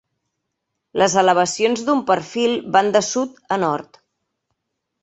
Les elevacions d'un perfil van de sud a nord.